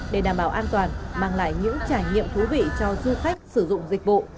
để đảm bảo an toàn mang lại những trải nghiệm thú vị cho du khách sử dụng dịch vụ